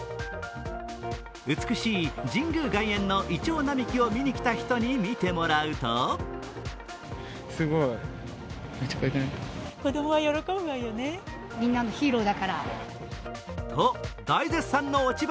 美しい神宮外苑のいちょう並木を見に来た人にみてもらうとと大絶賛の落ち葉